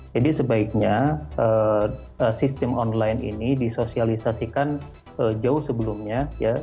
jadi sebaiknya sistem online ini disosialisasikan jauh sebelumnya